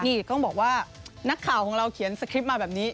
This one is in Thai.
นี่ต้องบอกว่านักข่าวของเราเขียนสคริปต์มาแบบนี้